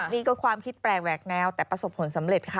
มีความคิดแปรงแวกแนวแต่ประสบควรสำเร็จค่ะ